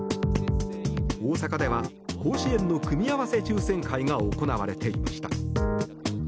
大阪では甲子園の組み合わせ抽選会が行われていました。